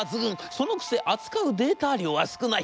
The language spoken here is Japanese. そのくせ扱うデータ量は少ない。